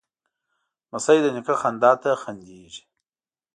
لمسی د نیکه خندا ته خندېږي.